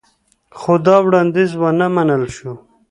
خو دا وړاندیز ونه منل شو